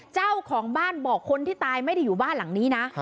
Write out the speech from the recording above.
เจ้าของบ้านบอกคนที่ตายไม่ได้อยู่บ้านหลังนี้นะ